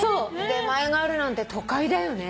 出前があるなんて都会だよね。